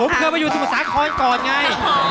ผมเคยมาอยู่สมุทรสาครก่อนไง